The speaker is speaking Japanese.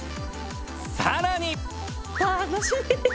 さらに